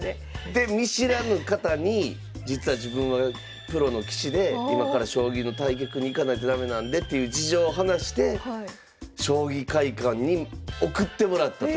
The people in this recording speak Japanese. で見知らぬ方に実は自分はプロの棋士で今から将棋の対局に行かないと駄目なんでという事情を話して将棋会館に送ってもらったという。